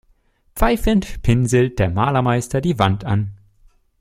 Pfeifend pinselt der Malermeister die Wand an.